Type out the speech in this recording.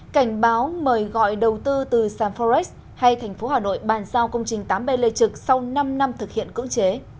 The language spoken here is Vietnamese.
cảnh báo mời gọi đầu tư từ sàn forex hay thành phố hà nội bàn giao công trình tám b lê trực sau năm năm thực hiện cưỡng chế